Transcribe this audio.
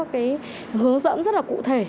cái hướng dẫn rất là cụ thể